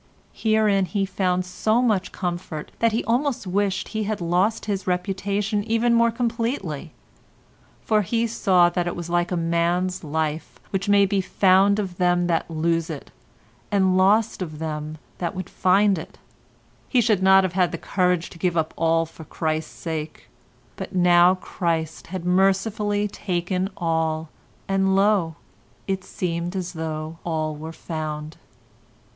Herein he found so much comfort that he almost wished he had lost his reputation even more completely—for he saw that it was like a man's life which may be found of them that lose it and lost of them that would find it. He should not have had the courage to give up all for Christ's sake, but now Christ had mercifully taken all, and lo! it seemed as though all were found.